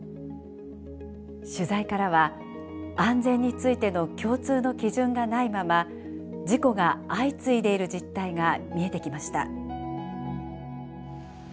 取材からは安全についての共通の基準がないまま事故が相次いでいる実態が見えてきました。